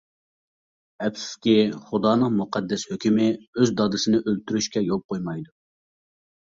ئەپسۇسكى، خۇدانىڭ مۇقەددەس ھۆكمى ئۆز دادىسىنى ئۆلتۈرۈشكە يول قويمايدۇ.